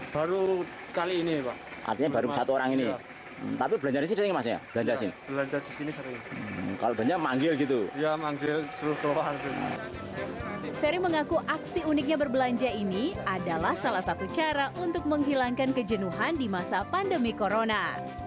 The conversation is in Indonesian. ferry mengaku aksi uniknya berbelanja ini adalah salah satu cara untuk menghilangkan kejenuhan di masa pandemi corona